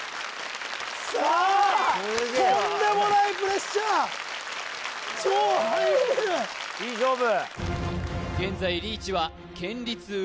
さあとんでもないプレッシャー超ハイレベルいい勝負！